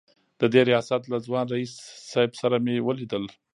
د دې ریاست له ځوان رییس صیب سره مې ولیدل.